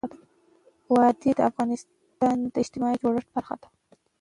وادي د افغانستان د اجتماعي جوړښت برخه ده.